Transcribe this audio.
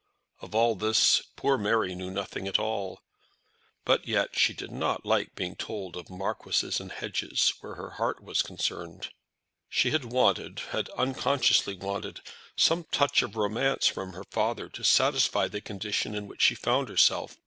Of all this poor Mary knew nothing at all; but yet she did not like being told of marquises and hedges where her heart was concerned. She had wanted, had unconsciously wanted, some touch of romance from her father to satisfy the condition in which she found herself.